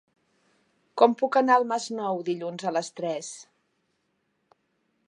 Com puc anar al Masnou dilluns a les tres?